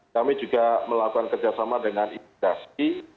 kami juga melakukan kerjasama dengan imigrasi